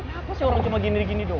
kenapa sih orang cuma gini gini doang